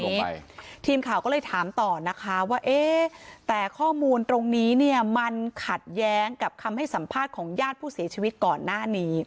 ใช่ทีมข่าวก็เลยถามต่อนะคะว่าเอ๊ะแต่ข้อมูลตรงนี้เนี่ยมันขัดแย้งกับคำให้สัมภาษณ์ของญาติผู้เสียชีวิตก่อนหน้านี้